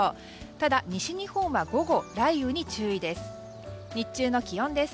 ただ西日本は午後、雷雨に注意です。